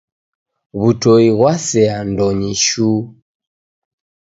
W'utoi ghwasea ndonyi shuu.